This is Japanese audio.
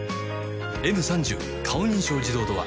「Ｍ３０ 顔認証自動ドア」